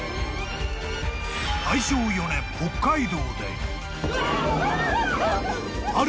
［大正４年北海道で］